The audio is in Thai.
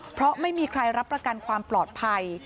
เพราะไม่มีใครรับประกันความปลอดภัย